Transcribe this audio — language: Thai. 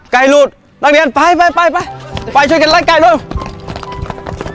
ไก่รูดนักเรียนไปช่วยกันล่ะไก่รูด